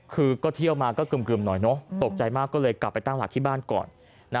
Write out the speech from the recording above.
คือก็เที่ยวมาก็กึ่มหน่อยเนอะตกใจมากก็เลยกลับไปตั้งหลักที่บ้านก่อน